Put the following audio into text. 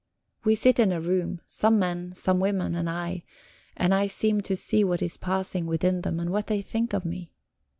We sit in a room, some men, some women, and I, and I seem to see what is passing within them, and what they think of me.